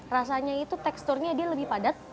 rasanya itu teksturnya dia lebih padat